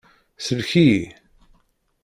Sellek-iyi!